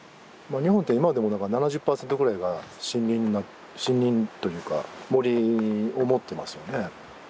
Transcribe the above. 日本って今でもなんか７０％ぐらいが森林森林というか森を持ってますよね。